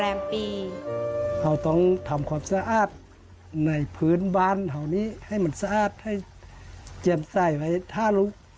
เออนั่นแหละ